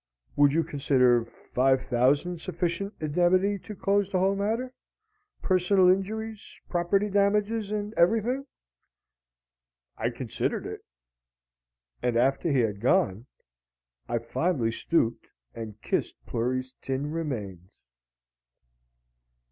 "Would you consider five thousand sufficient indemnity to close the whole matter personal injuries, property damages, and everything?" I considered it! And after he had gone, I fondly stooped and kissed Plury's tin remains.